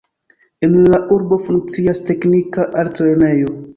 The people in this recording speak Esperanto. En la urbo funkcias teknika altlernejo.